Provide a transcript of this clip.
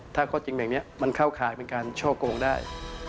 ถ้าข้อจริงแบบนี้มันเข้าข่ายเป็นการช่อโกงได้